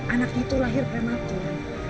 anaknya itu lahir prematur